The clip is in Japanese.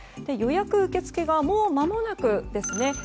予約受け付けがもうまもなくですね。